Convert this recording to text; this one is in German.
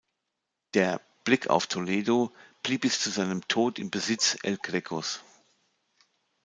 Der "Blick auf Toledo" blieb bis zu seinem Tod im Besitz El Grecos.